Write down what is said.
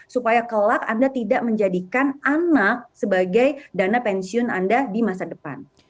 supaya kelak anda tidak menjadikan anak sebagai dana pensiun anda di masa depan